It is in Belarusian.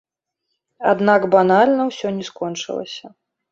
Аднак банальна ўсё не скончылася.